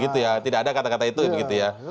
tidak ada kata kata itu ya